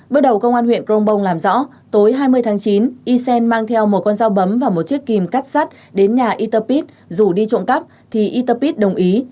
bước đầu công an huyện grongbong làm rõ tối hai mươi tháng chín ysen mang theo một con dao bấm và một chiếc kìm cắt sắt đến nhà yter pit rủ đi trộm cắp thì yter pit đồng ý